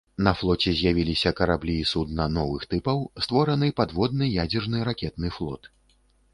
На флоце з'явіліся караблі і судна новых тыпаў, створаны падводны ядзерны ракетны флот.